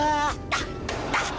ダッ！